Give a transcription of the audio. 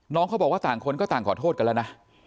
เขาบอกว่าต่างคนก็ต่างขอโทษกันแล้วนะ